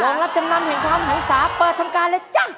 รับจำนำแห่งความหันศาเปิดทำการเลยจ้ะ